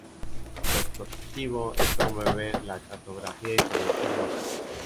Su objetivo es promover la cartografía y producir mapas.